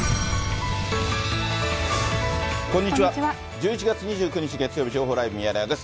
１１月２９日月曜日、情報ライブミヤネ屋です。